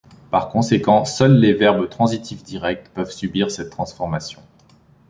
Par conséquent, seuls les verbes transitifs directs peuvent subir cette transformation.